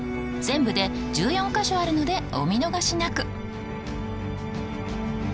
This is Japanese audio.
全部で１４か所あるのでお見逃しなく！